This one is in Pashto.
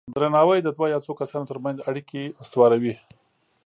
درناوی د دوه یا څو کسانو ترمنځ اړیکې استواروي.